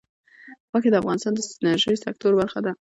غوښې د افغانستان د انرژۍ سکتور برخه ده.